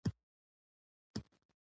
مېلې د ټولني د خوښۍ او یووالي هنداره ده.